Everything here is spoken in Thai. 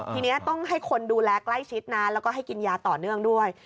ทีนี้ต้องให้คนดูแลใกล้ชิดนะแล้วก็ให้กินยาต่อเนื่องด้วย